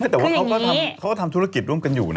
แต่ว่าเขาก็ทำธุรกิจร่วมกันอยู่นะ